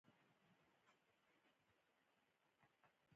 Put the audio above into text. قدم له ئې منزل مخي له دوه قدمه راشي